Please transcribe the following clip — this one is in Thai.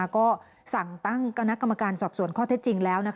ก็สั่งตั้งคณะกรรมการสอบสวนข้อเท็จจริงแล้ว